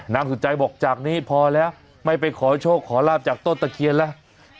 สุดใจบอกจากนี้พอแล้วไม่ไปขอโชคขอลาบจากต้นตะเคียนแล้ว